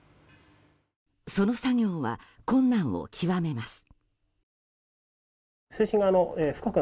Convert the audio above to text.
その作業は困難を極めます。